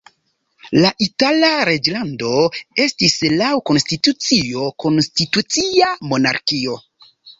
La Itala reĝlando estis laŭ konstitucio konstitucia monarkio.